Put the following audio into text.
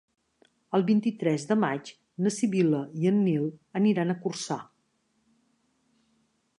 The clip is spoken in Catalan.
El vint-i-tres de maig na Sibil·la i en Nil aniran a Corçà.